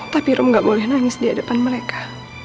tapi rom gak boleh nangis di hadapan mereka